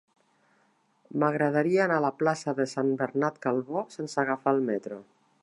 M'agradaria anar a la plaça de Sant Bernat Calbó sense agafar el metro.